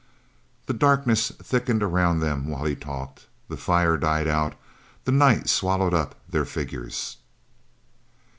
The darkness thickened around them while he talked. The fire died out the night swallowed up their figures.